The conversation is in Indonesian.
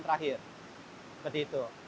terakhir seperti itu